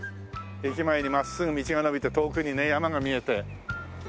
駅前に真っすぐ道が延びて遠くにね山が見えて。